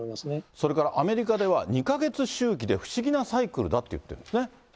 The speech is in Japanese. それからアメリカでは、２か月周期で不思議なサイクルだって言ってるんですね。